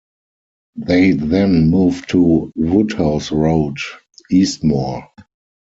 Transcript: They then moved to Woodhouse Road, Eastmoor.